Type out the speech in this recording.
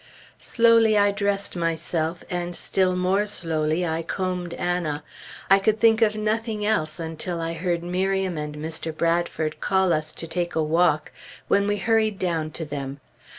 Slowly I dressed myself, and still more slowly I combed Anna. I could think of nothing else until I heard Miriam and Mr. Bradford call us to take a walk, when we hurried down to them.